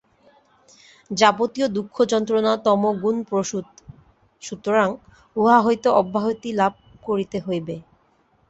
যাবতীয় দুঃখযন্ত্রণা তমোগুণপ্রসূত, সুতরাং উহা হইতে অব্যাহতি লাভ করিতে হইবে।